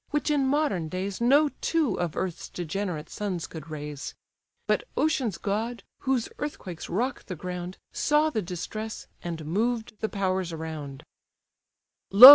which in modern days No two of earth's degenerate sons could raise. But ocean's god, whose earthquakes rock the ground Saw the distress, and moved the powers around: "Lo!